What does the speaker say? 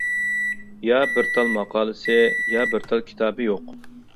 يا بىر تال ماقالىسى ، يا بىر تال كىتابى يوق.